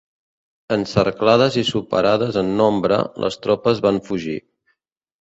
Encerclades i superades en nombre, les tropes van fugir.